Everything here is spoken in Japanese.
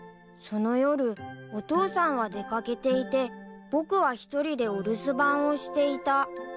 ［その夜お父さんは出掛けていて僕は一人でお留守番をしていた］